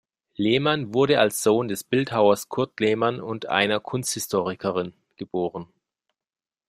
Lehmann wurde als Sohn des Bildhauers Kurt Lehmann und einer Kunsthistorikerin geboren.